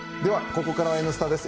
ここからは「Ｎスタ」です。